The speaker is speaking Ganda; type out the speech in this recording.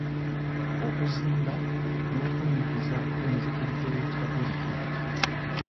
Okuzimba n'okunnyikiza enzikiriza y'ekikatoliki.